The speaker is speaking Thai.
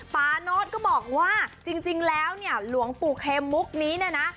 ปาโน้ตก็บอกว่าจริงแล้วเนี่ยหลวงปู่เคมุกนี้เนี่ยนะ